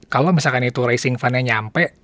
kalau misalkan itu racing fund nya nyampe